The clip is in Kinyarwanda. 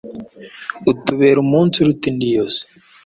utubera umunsi uruta indi yose